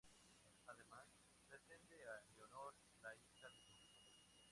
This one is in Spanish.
Además, pretende a Leonor, la hija del gobernador.